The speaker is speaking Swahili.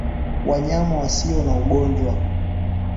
Wanyama wasio na ugonjwa